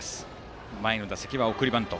前の打席は送りバント。